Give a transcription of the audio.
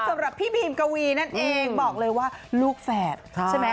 สำหรับพี่บีมกวีนั่นเองบอกเลยว่าลูกแฝดใช่ไหม